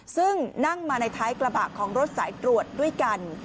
ซึ่งนั่งมาในท้ายกระบะของรถสายตรวจด้วยกัน